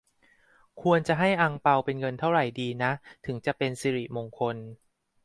ควรจะให้อั่งเปาเป็นเงินเท่าไรดีนะถึงจะเป็นสิริมงคล